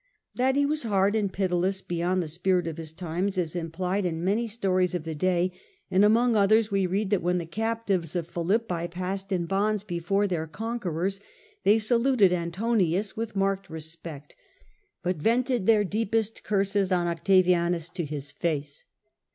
That he was hard and pitiless beyond the spirit of his times is implied in many stories of the day, and among others we read that when the captives of Philippi passed in bonds before their conquerors they saluted Antonius with marked respect, but vented their deepest curses on Octavianus to his face.